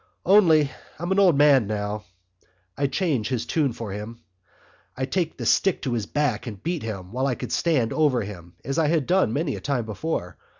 "Only I'm an old man now I'd change his tune for him. I'd take the stick to his back and beat him while I could stand over him—as I done many a time before.